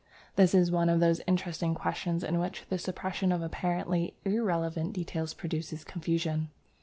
This is one of those interesting questions in which the suppression of apparently irrelevant details produces confusion.